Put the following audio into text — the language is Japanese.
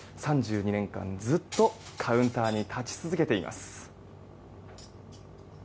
３２年間ずっとカウンターに立ち続けています。